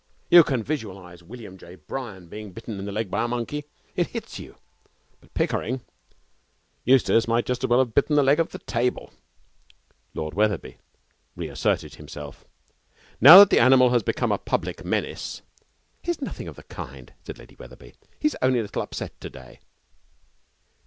You can visualize William J. Bryan being bitten in the leg by a monkey. It hits you. But Pickering! Eustace might just as well have bitten the leg of the table!' Lord Wetherby reasserted himself. 'Now that the animal has become a public menace ' 'He's nothing of the kind,' said Lady Wetherby. 'He's only a little upset to day.'